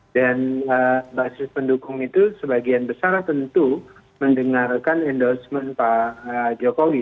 dan basis pendukung itu sebagian besar tentu mendengarkan endorsement pak jokowi